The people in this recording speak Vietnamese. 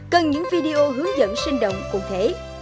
cần những video hướng dẫn sinh động cụ thể